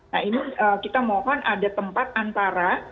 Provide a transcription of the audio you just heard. nah ini kita mohon ada tempat antara